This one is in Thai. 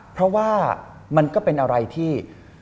เพราะว่ามันก็เป็นอะไรที่